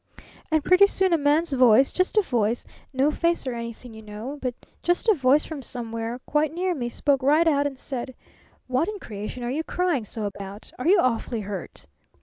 "And pretty soon a man's voice just a voice, no face or anything, you know, but just a voice from somewhere quite near me, spoke right out and said: 'What in creation are you crying so about? Are you awfully hurt?'